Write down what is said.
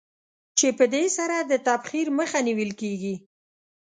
چې په دې سره د تبخیر مخه نېول کېږي.